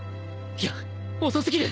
いや遅すぎる